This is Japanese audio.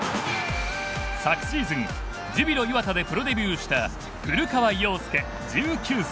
昨シーズンジュビロ磐田でプロデビューした古川陽介１９歳。